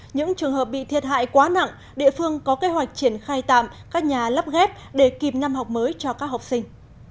những trường hợp bị thiệt hại quá nặng địa phương có kế hoạch triển khai tạm các nhà lắp ghép để kịp năm học mới cho các học sinh